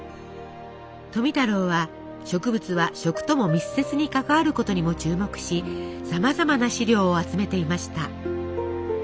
富太郎は植物は食とも密接に関わることにも注目しさまざまな資料を集めていました。